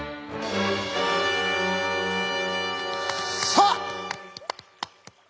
さあ。